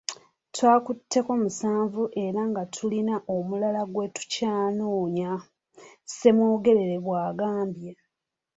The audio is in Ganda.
"Twakutteko musanvu era nga tulina omulala gwe tukyanoonya,” Ssemwogerere bw'agambye.